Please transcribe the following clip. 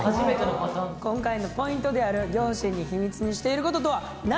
今回のポイントである両親に秘密にしていることとは何なのか。